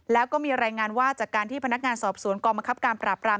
แล้วก็มีรายงานว่าจากการที่พนักงานสอบสวนกองบังคับการปราบราม